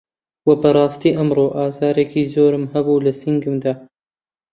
وە بەڕاستی ئەمڕۆ ئازارێکی زۆرم هەبوو لە سنگمدا